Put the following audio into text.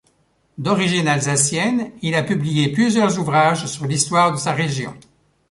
D'origine alsacienne, il a publié plusieurs ouvrages sur l'histoire de sa région.